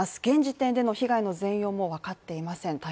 現時点での被害の全容も分かっていません。